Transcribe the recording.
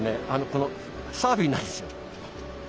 このサーフィンなんですよ。